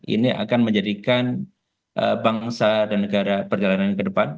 ini akan menjadikan bangsa dan negara perjalanan ke depan